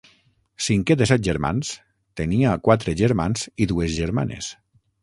Cinquè de set germans, tenia quatre germans i dues germanes.